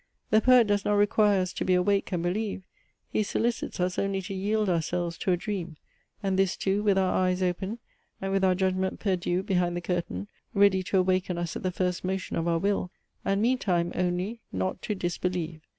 The poet does not require us to be awake and believe; he solicits us only to yield ourselves to a dream; and this too with our eyes open, and with our judgment perdue behind the curtain, ready to awaken us at the first motion of our will: and meantime, only, not to disbelieve.